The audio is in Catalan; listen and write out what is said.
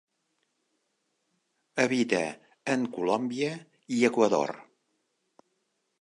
Habita en Colòmbia i Equador.